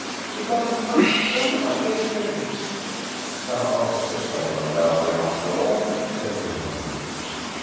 She got a mug; show the mug, Esther." "So you saw no Derby after all?" said William.